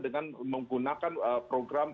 dengan menggunakan program